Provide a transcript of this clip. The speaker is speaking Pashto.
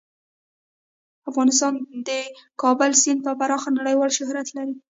افغانستان د د کابل سیند په برخه کې نړیوال شهرت لري.